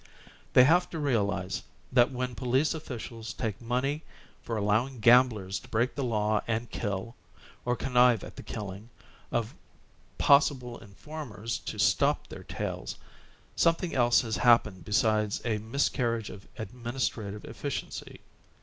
They have begim to realize that when police officials take money 172 THE BIRTH OF THE NEW PARTY for allowing gamblers to break the law and kill, or con nive at the killing, of possible informers to stop their tales, something else has happened besides a miscarriage of administrative efficiency.